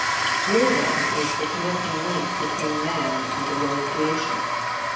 Here then is the "connecting link" between man and the lower creation.